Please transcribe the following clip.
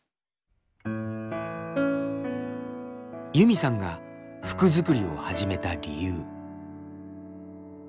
ユミさんが服作りを始めた理由。